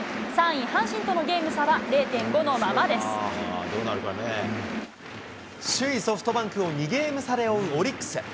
３位阪神とのゲーム差は、０．５首位ソフトバンクを２ゲーム差で追うオリックス。